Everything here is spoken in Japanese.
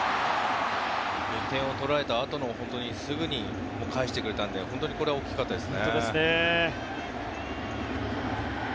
点を取られたあとすぐに返してくれたんで本当にこれは大きかったですね。